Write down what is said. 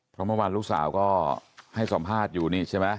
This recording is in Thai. เพราะเมื่อวานลูกสาวก็ให้สัมภาษณ์อยู่นี่ใช่ไหม